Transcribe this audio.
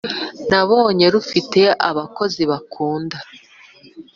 nabonye rufite abakozi bakunda